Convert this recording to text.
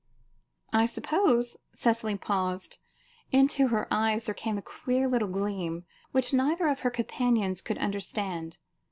"I suppose" Cicely paused, into her eyes there came a queer little gleam, which neither of her companions could understand.